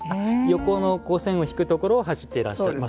横の線を引くところを走っていらっしゃると。